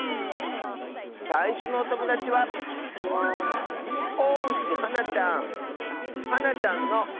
さいしょのおともだちははなちゃんの。